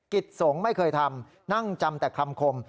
กิจสงฆ์ไม่เคยทำนั่งจำแต่คำคม